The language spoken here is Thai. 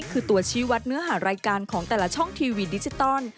คือตัวชี้วัดเนื้อหารายการของแต่ละช่องทีวีดิจิตอล